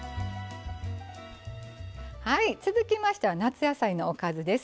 続きましては夏野菜おかずです。